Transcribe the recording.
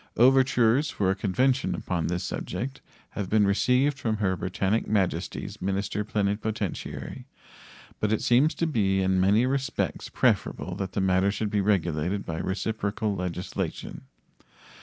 Overtures for a convention upon this subject have been received from Her Britannic Majesty's minister plenipotentiary, but it seems to be in many respects preferable that the matter should be regulated by reciprocal legislation.